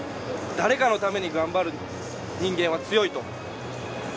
誰かのために頑張る人間は強いと。